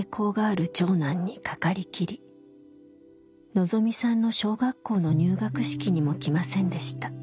のぞみさんの小学校の入学式にも来ませんでした。